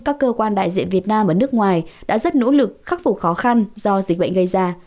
các cơ quan đại diện việt nam ở nước ngoài đã rất nỗ lực khắc phục khó khăn do dịch bệnh gây ra